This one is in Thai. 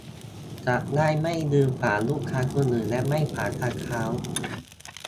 จะได้ไม่ยืนขวางลูกค้าคนอื่นและไม่ขวางทางเท้า